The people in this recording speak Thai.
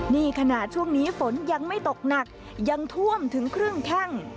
นี่ขณะช่วงนี้ฝนยังไม่ตกหนักยังท่วมถึงครึ่งแข้ง